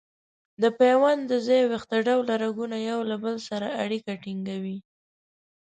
د پیوند د ځای ویښته ډوله رګونه یو له بل سره اړیکه ټینګوي.